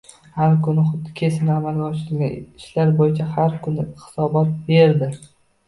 Har bir hudud kesimida amalga oshirilgan ishlar boʻyicha har kuni hisobot berdi